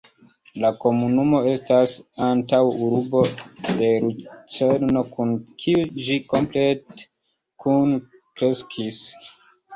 La komunumo estas antaŭurbo de Lucerno, kun kiu ĝi komplete kunkreskis.